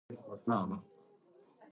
Sandia is also home to the Z Machine.